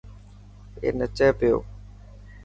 اي نچي پيو.